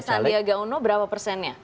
sandiaga uno berapa persennya